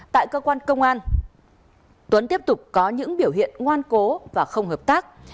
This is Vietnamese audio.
tại cơ quan công an tuấn tiếp tục có những biểu hiện ngoan cố và không hợp tác